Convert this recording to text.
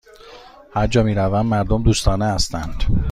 هرجا می روم، مردم دوستانه هستند.